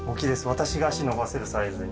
私が脚伸ばせるサイズに。